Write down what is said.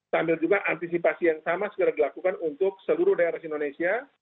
sambil juga antisipasi yang sama segera dilakukan untuk seluruh daerah indonesia